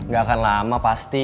ga akan lama pasti